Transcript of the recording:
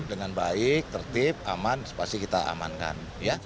dengan baik tertib aman pasti kita amankan